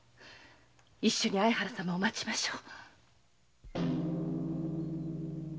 一緒に相原様を待ちましょう。